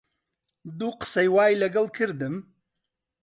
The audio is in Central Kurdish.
دوو قسەی وای لەگەڵ کردم